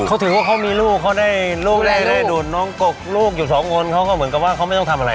เขาถือว่าเขามีลูกเขาได้ลูกได้ดูดน้องกกลูกอยู่สองคนเขาก็เหมือนกับว่าเขาไม่ต้องทำอะไร